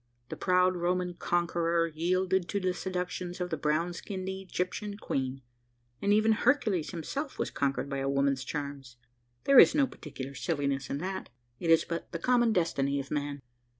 The proud Roman conqueror yielded to the seductions of the brown skinned Egyptian queen; and even Hercules himself was conquered by a woman's charms. There is no particular silliness in that. It is but the common destiny of man."